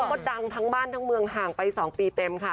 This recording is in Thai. แล้วก็ดังทั้งบ้านทั้งเมืองห่างไป๒ปีเต็มค่ะ